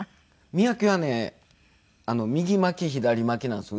見分けはね右巻き左巻きなんですよ